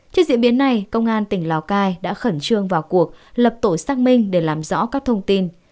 trên diễn biến này công an tỉnh lào cai đã khẩn trương vào cuộc lập tổ xác minh để làm rõ các thông tin